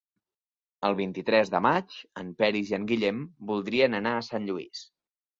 El vint-i-tres de maig en Peris i en Guillem voldrien anar a Sant Lluís.